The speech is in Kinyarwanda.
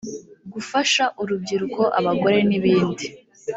gufasha urubyiruko abagore n ibindi